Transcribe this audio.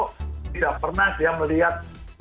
tidak pernah dia melihat